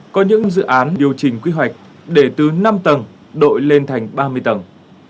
có những dự án điều chỉnh quy hoạch để từ năm tầng đội lên thành ba mươi tầng